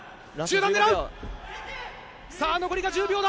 残りが１０秒だ。